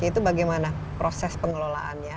itu bagaimana proses pengelolaannya